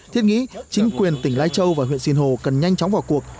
thiết nghĩ chính quyền tỉnh lai châu và huyện sinh hồ cần nhanh chóng vào cuộc